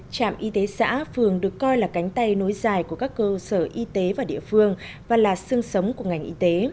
trạm y tế xã phường được coi là cánh tay nối dài của các cơ sở y tế và địa phương và là sương sống của ngành y tế